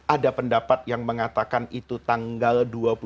ada pendapat yang mengatakan itu tanggal dua puluh dua